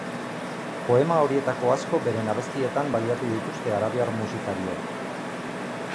Poema horietako asko beren abestietan baliatu dituzte arabiar musikariek.